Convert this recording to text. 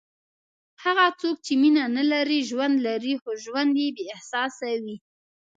هغه څوک چې مینه نه لري، ژوند لري خو ژوند یې بېاحساسه وي.